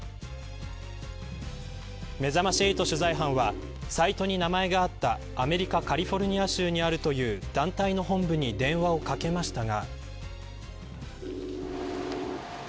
めざまし８取材班はサイトに名前があったアメリカカリフォルニア州にあるという団体の本部に電話をかけましたが。